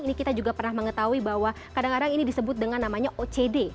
ini kita juga pernah mengetahui bahwa kadang kadang ini disebut dengan namanya ocd